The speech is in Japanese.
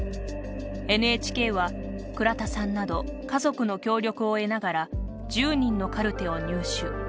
ＮＨＫは倉田さんなど家族の協力を得ながら１０人のカルテを入手。